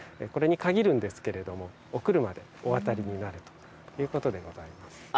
これに限るんですけれどもお車でお渡りになるということでございます。